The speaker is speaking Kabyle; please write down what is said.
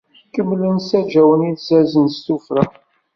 Kemmlen ssaǧawen ilzazen s tuffra.